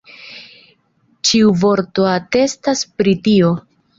Ĉiu vorto atestas pri tio.